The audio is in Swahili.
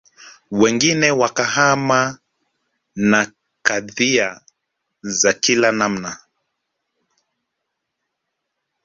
Wengine wakahama na kadhia za kila namna